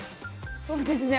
そうですね。